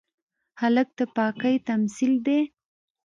هلک د پاکۍ تمثیل دی.